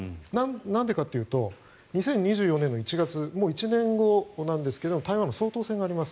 なんでかというと２０２４年の１月もう１年後なんですが台湾の総統選があります。